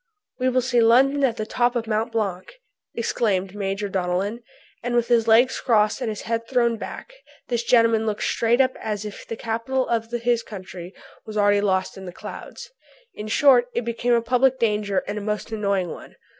"We will see London at the top of Mount Blanc," exclaimed Major Donellan. And with his legs crossed and his head thrown back this gentleman looked straight up as if the capital of his country was already lost in the clouds. In short, it became a public danger and a most annoying one.